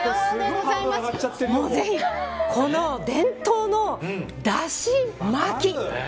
ぜひ、この伝統のだし巻き。